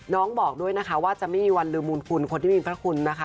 บอกด้วยนะคะว่าจะไม่มีวันลืมมูลคุณคนที่มีพระคุณนะคะ